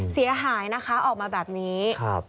เสียหายนะคะออกมาแบบนี้